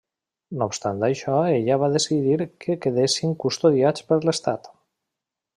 No obstant això ella va decidir que quedessin custodiats per l'estat.